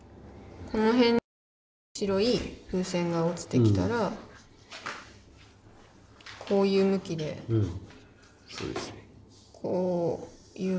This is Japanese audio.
この辺に白い風船が落ちてきたらこういう向きでこういう感じ？